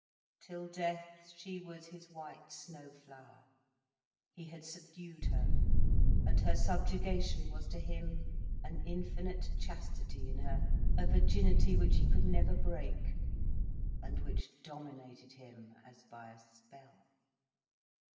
Till death, she was his white snow flower. He had subdued her, and her subjugation was to him an infinite chastity in her, a virginity which he could never break, and which dominated him as by a spell.